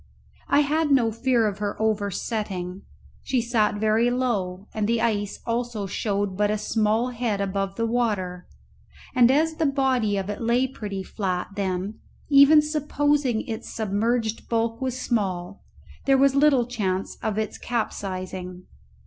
I had no fear of her oversetting; she sat very low, and the ice also showed but a small head above the water, and as the body of it lay pretty flat, then, even supposing its submerged bulk was small, there was little chance of its capsizing.